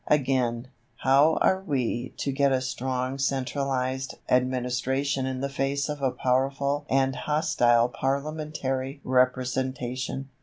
Again, how are we to get a strong centralized administration in the face of a powerful and hostile parliamentary representation?